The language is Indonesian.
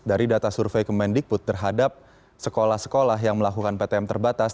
dari data survei kemendikbud terhadap sekolah sekolah yang melakukan ptm terbatas